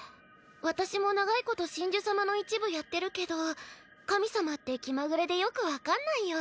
私も長いこと神樹様の一部やってるけど神様って気まぐれでよく分かんないよ。